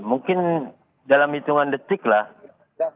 mungkin dalam hitungan detik lah